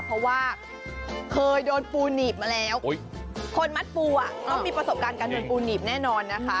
เพราะว่าเคยโดนปูหนีบมาแล้วคนมัดปูอ่ะต้องมีประสบการณ์การโดนปูหนีบแน่นอนนะคะ